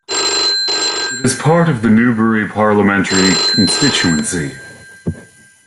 It is part of the Newbury parliamentary constituency.